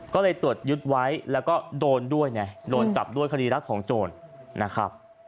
ก็เลยตรวจยึดไว้แล้วก็โดนด้วยไงโดนจับด้วยคดีรักของโจรนะครับ